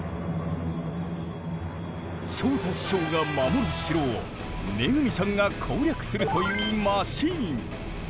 昇太師匠が守る城を恵さんが攻略するというマシーン。